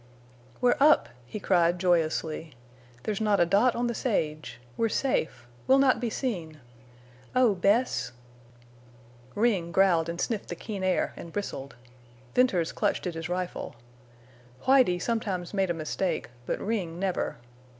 "We're up!" he cried, joyously. "There's not a dot on the sage. We're safe. We'll not be seen! Oh, Bess—" Ring growled and sniffed the keen air and bristled. Venters clutched at his rifle. Whitie sometimes made a mistake, but Ring never.